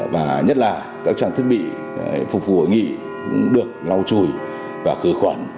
và nhất là các trang thiết bị phục vụ hội nghị cũng được lau chùi và khứa khoản